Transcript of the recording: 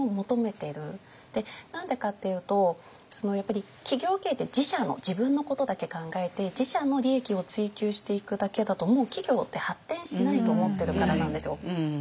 何でかっていうとやっぱり企業経営って自社の自分のことだけ考えて自社の利益を追求していくだけだともう企業って発展しないと思ってるからなんですよ。